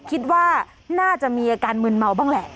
คิดว่าน่าจะมีอาการมืนเมาบ้างแหละ